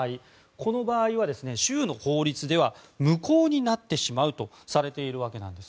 この場合は州の法律では無効になってしまうとされているんです。